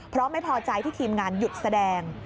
เพราะไม่พอใจที่ทีมงานหยุดแสดง